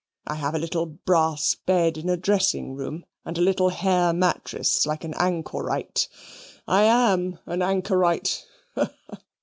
I have a little brass bed in a dressing room, and a little hair mattress like an anchorite. I am an anchorite.